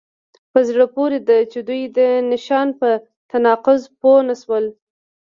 په زړه پورې ده چې دوی د نښان په تناقض پوه نشول